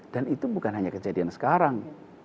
dan itu bukan hanya kejadian sekarang